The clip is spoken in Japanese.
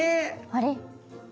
あれ？